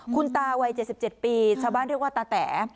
คุณตาวัย๗๗ปีชาวบ้านเรียกว่าตาแต๋